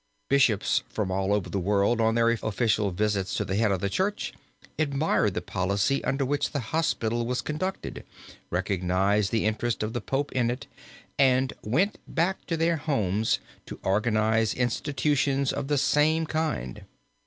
Bishops from all over the world on their official visits to the head of the Church, admired the policy under which the hospital was conducted, recognized the interest of the Pope in it, and went back to their homes to organize institutions of the same kind.